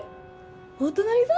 お隣さん？